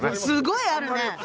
すごいあるね。